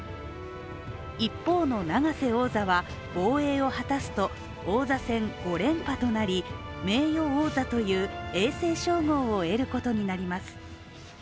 一方の永瀬王座は防衛を果たすと王座戦５連覇となり名誉王座という永世称号を得ることになります。